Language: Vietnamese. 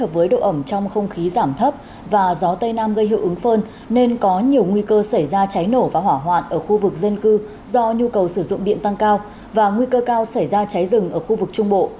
với độ ẩm trong không khí giảm thấp và gió tây nam gây hiệu ứng phơn nên có nhiều nguy cơ xảy ra cháy nổ và hỏa hoạn ở khu vực dân cư do nhu cầu sử dụng điện tăng cao và nguy cơ cao xảy ra cháy rừng ở khu vực trung bộ